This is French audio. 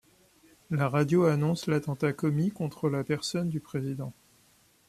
La radio annonce l'attentat commis contre la personne du président.